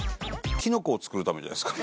キノコを作るためじゃないですか？